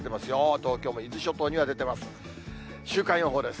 東京も伊豆諸島には出ています。